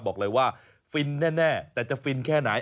บอกเลยว่าฟินแน่แต่จะฟินแค่ไหน